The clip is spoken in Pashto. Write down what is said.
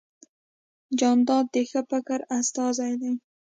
جانداد د ښه فکر استازی دی.